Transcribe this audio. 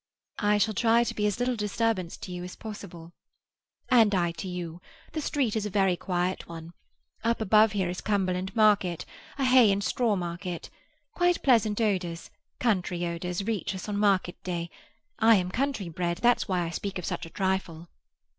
"I shall try to be as little disturbance to you as possible." "And I to you. The street is a very quiet one. Up above here is Cumberland Market; a hay and straw market. Quite pleasant odours—country odours—reach us on market day. I am country bred; that's why I speak of such a trifle."